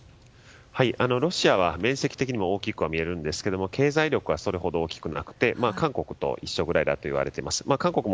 ロシアは面積的にも大きく見えるんですけれども経済力はそれほど大きくなくて韓国と一緒くらいだといわれています。